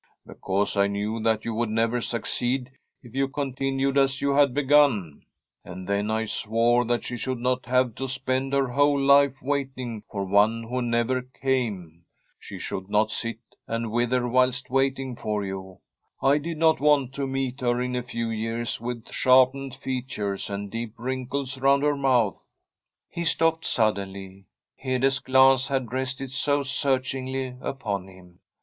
' Because I knew that you would never suc ceed if you continued as you had begun. And then I swore that she should not have to spend her whole life waiting for one who never came. She should not sit and wither whilst waiting for you. I did not want to meet her in a few years with sharpened features and deep wrinkles round her mouth ' He stopped suddenly; Hede's glance had rested so searchingly upon him.